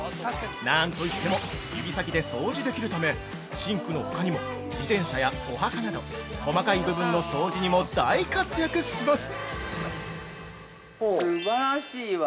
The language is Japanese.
何といっても指先で掃除できるため、シンクのほかにも自転車やお墓など細かい部分の掃除にも大活躍します！